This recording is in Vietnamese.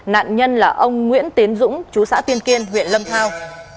nạn nhân là ông nguyễn tiến dũng chú xã tiên kiên huyện lâm thao